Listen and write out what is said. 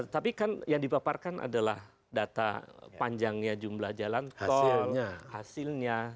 tapi kan yang dipaparkan adalah data panjangnya jumlah jalan tol hasilnya